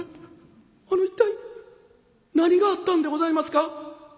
あの一体何があったんでございますか？」。